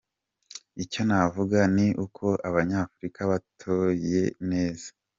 Icyo navuga ni uko Abanyafurika batoye neza.